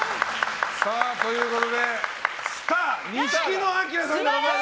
ということでスター錦野明さんでございます。